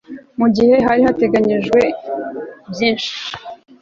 mu gihe hari hateganijwe byinshi